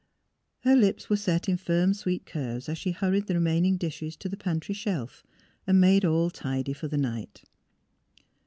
Her lips were set in firm, sweet curves as she hurried the remaining dishes to the pantry shelf and made all tidy for the night.